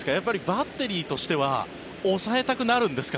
バッテリーとしては抑えたくなるんですか？